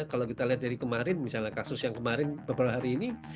kalau kita lihat dari kemarin misalnya kasus yang kemarin beberapa hari ini